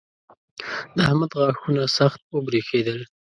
د احمد غاښونه سخت وبرېښېدل.